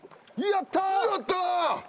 やった！